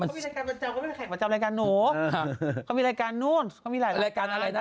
เขามีรายการมาจับมาจับรายการหนูเขามีรายการนู่นเขามีรายการอะไรนะ